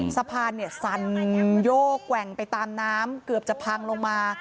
สะพานเนี่ยสั่นโยกแกว่งไปตามน้ำเกือบจะพังลงมา